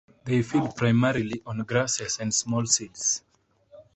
They feed primarily on grasses and small seeds.